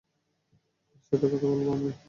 তার সাথে কথা বলব আমি।